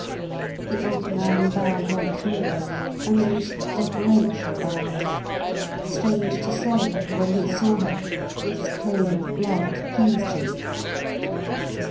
The old man bowed once more, a most deferential bow. Strange to say, when he saw her, this claim of blood pleased him.